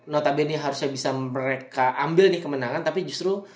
notabene harusnya bisa mereka ambil nih kemenangan tapi justru